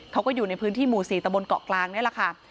เขาก็อยู่ในพื้นที่หมู่๔ตะบนเกาะกลางนี่แหละค่ะ